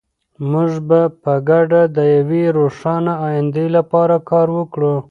موږ به په ګډه د یوې روښانه ایندې لپاره کار وکړو.